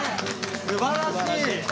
すばらしい。